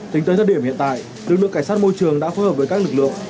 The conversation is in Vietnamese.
tính tới thời điểm hiện tại lực lượng cảnh sát môi trường đã phối hợp với các lực lượng